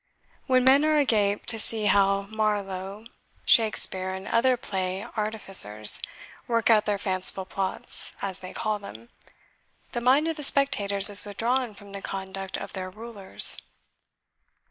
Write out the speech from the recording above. When men are agape to see how Marlow, Shakespeare, and other play artificers work out their fanciful plots, as they call them, the mind of the spectators is withdrawn from the conduct of their rulers."